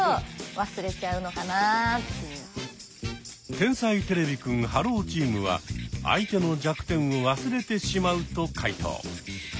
天才てれびくんｈｅｌｌｏ，チームは「相手の弱点を忘れてしまう」と解答。